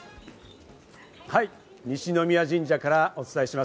西宮神社からお伝えします。